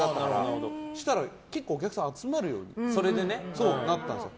そしたら、結構お客さんが集まるようになったんですよ。